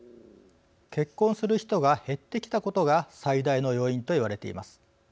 結婚する人が減ってきたことが最大の要因と言われています。